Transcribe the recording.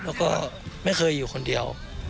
แล้วก็ไม่เคยอยู่คนเดียว